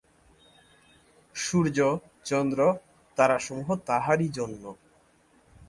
সূর্য, চন্দ্র, তারাসমূহ তাহারই জন্য।